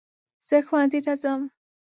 زه ښونځي ته ځم.